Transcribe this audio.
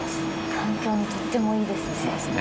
環境にとってもいいですね。